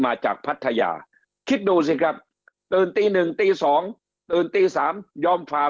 มาจากพัทยาคิดดูสิครับตื่นตีหนึ่งตี๒ตื่นตี๓ยอมฝ่า